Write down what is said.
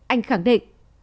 anh khẳng định